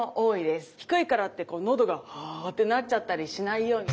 低いからってこう喉がハーッてなっちゃったりしないように。